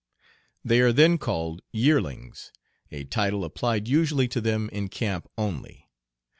They are then called "yearlings," a title applied usually to them in camp only.